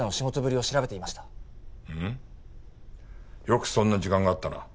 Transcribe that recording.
よくそんな時間があったな。